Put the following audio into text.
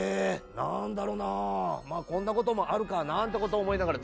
なんだろうな、こんななこともあるかなんて思いながら